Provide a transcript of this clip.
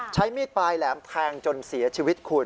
ใช้มีดปลายแหลมแทงจนเสียชีวิตคุณ